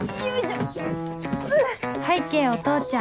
拝啓お父ちゃん